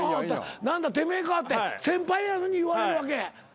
何だてめえかって先輩やのに言われるわけ。